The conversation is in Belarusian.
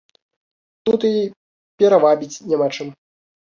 Тут і перавабіць няма чым.